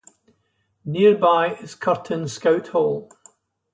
Nearby is Curtin Scout Hall.